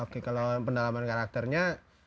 oke kalau pendalaman karakternya